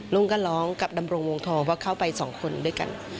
ลุงก็ร้องกับดำรงวงทองว่าเข้าไปสองคนด้วยกัน